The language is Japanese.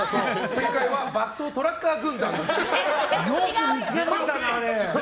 正解は「爆走トラッカー軍団」です。